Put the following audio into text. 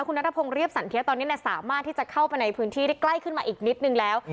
คุณนัทพงศ์เรียบสันเทียตอนนี้สามารถที่จะเข้าไปในพื้นที่ได้ใกล้ขึ้นมาอีกนิดนึงแล้ว